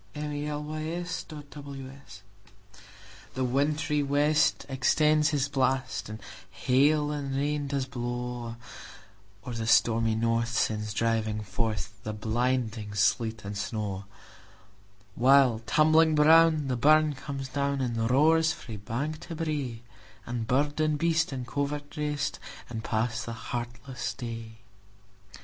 Winter: A Dirge THE WINTRY west extends his blast, And hail and rain does blaw; Or the stormy north sends driving forthThe blinding sleet and snaw:While, tumbling brown, the burn comes down, And roars frae bank to brae; And bird and beast in covert rest, And pass the heartless day.